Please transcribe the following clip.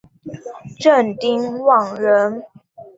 郑丁旺人。